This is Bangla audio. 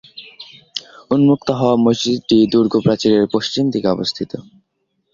নতুন উন্মুক্ত হওয়া মসজিদটি দুর্গ প্রাচীরের পশ্চিম দিকে অবস্থিত।